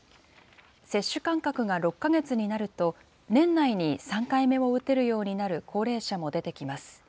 接種間隔が６か月になると、年内に３回目を打てるようになる高齢者も出てきます。